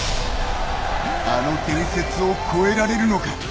あの伝説を超えられるのか。